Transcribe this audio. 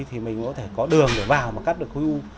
thì mình có đường để vào mà cắt được khối u